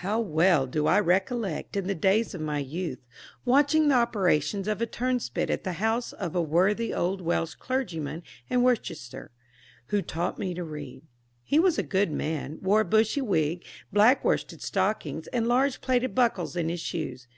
How well do I recollect, in the days of my youth, watching the operations of a turnspit at the house of a worthy old Welsh clergyman in Worcestershire, who taught me to read. He was a good man, wore a bushy wig, black worsted stockings, and large plated buckles in his shoes.